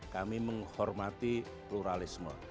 kami menghormati pluralisme